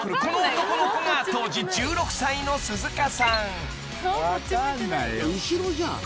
この男の子が当時１６歳の鈴鹿さん］